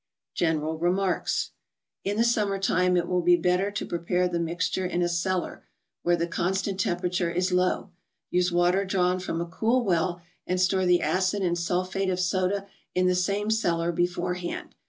General Remarks: In the summer time it will be bet¬ ter to prepare the mixture in a cellar, where the constant temperature is low ; use water drawn from a cool well, and store the acid and sulphate of soda in the same cellar beforehand.